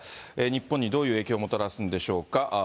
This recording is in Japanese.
日本にどういう影響をもたらすんでしょうか。